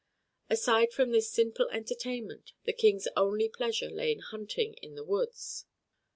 Aside from this simple entertainment, the King's only pleasure lay in hunting in the woods.